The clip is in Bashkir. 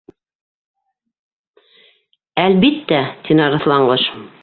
—Әлбиттә, —тине Арыҫланҡош.